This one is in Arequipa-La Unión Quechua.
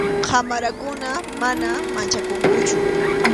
qamarakuna, manam manchakunkuchu.